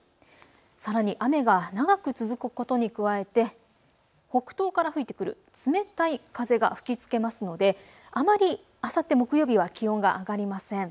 さらに雨が長く続くことに加えて北東から吹いてくる、冷たい風が吹きつけますのであまりあさって木曜日は気温が上がりません。